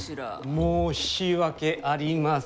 申し訳ありません。